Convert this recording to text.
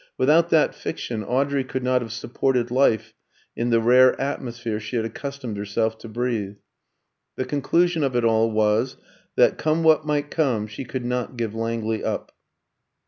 Without that fiction Audrey could not have supported life in the rare atmosphere she had accustomed herself to breathe. The conclusion of it all was that, come what might come, she could not give Langley up.